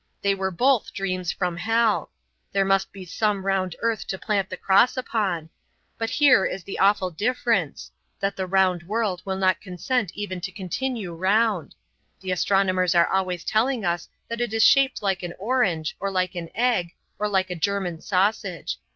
They were both dreams from hell. There must be some round earth to plant the cross upon. But here is the awful difference that the round world will not consent even to continue round. The astronomers are always telling us that it is shaped like an orange, or like an egg, or like a German sausage.